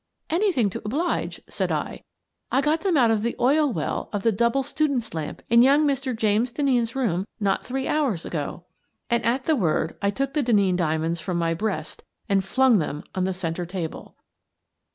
" Anything to oblige," said I. " I got them out of the oil well of the double student's lamp in young Mr. James Denneen's room not three hours ago." And at the word I took the Denneen diamonds from my breast and flung them on the centre table.